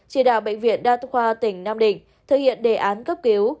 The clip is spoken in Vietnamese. chỉ đạo bệnh viện đa khoa tỉnh nam định thực hiện đề án cấp cứu